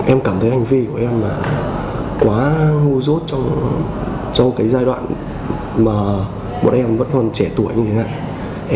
em cảm thấy hành vi của em là quá hô rốt trong cái giai đoạn mà bọn em vẫn còn trẻ tuổi như thế này